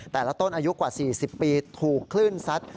แต่ละต้นอายุกว่า๔๐ปีถูกคลื่นซัด